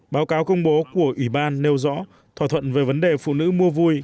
báo cáo công bố của ủy ban nêu rõ thỏa thuận về vấn đề phụ nữ mua vui